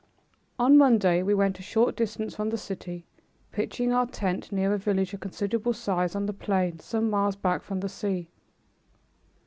On Monday we went a short distance from the city, pitching our tent near a village of considerable size on the plain some miles back from the sea.